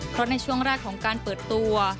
เพราะในช่วงแรกของการเปิดตัว